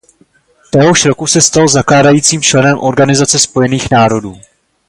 Téhož roku se stalo zakládajícím členem Organizace spojených národů.